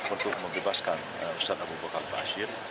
untuk membebaskan ustadz abu bakar mba asyir